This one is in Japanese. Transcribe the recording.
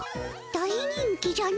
大人気じゃの。